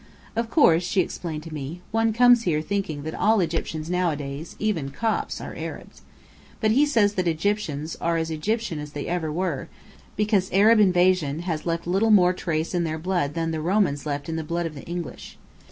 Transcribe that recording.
"Of course," she explained to me, "one comes here thinking that all Egyptians nowadays, even Copts, are Arabs. But he says that Egyptians are as Egyptian as they ever were, because Arab invasion has left little more trace in their blood than the Romans left in the blood of the English.